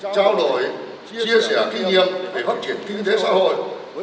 trao đổi chia sẻ kinh nghiệm về phát triển kinh tế xã hội